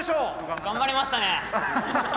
頑張りましたね！